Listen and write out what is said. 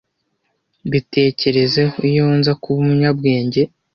bitekerezeho iyo nza kuba umunyabwenge